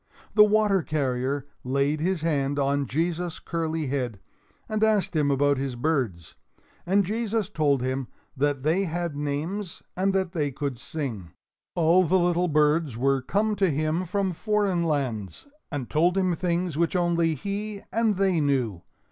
The water carrier laid his hand on Jesus' curly head and asked him about his birds; and Jesus told him that they had names and that they could sing. All the little birds were come to him from foreign lands, and told him things which only he and they knew.